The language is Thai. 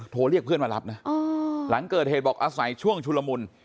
เรียกเพื่อนมารับนะหลังเกิดเหตุบอกอาศัยช่วงชุลมุน